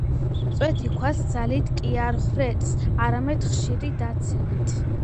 წვეთი ქვას ძალით კი არ ხვრეტს არამედ ხშირი დაცემით.